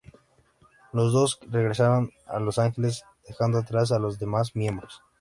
Los dos regresaron a Los Ángeles, dejando atrás a los demás miembros.